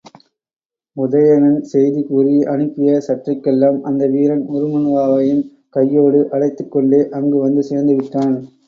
உதயணன் செய்தி கூறி அனுப்பிய சற்றைக்கெல்லாம் அந்த வீரன் உருமண்ணுவாவையும் கையோடு அழைத்துக்கொண்டே அங்கு வந்து சேர்ந்து விட்டான்.